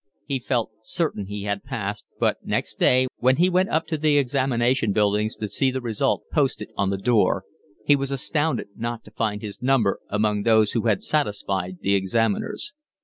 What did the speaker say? He felt certain he had passed; but next day, when he went up to the examination buildings to see the result posted on the door, he was astounded not to find his number among those who had satisfied the examiners.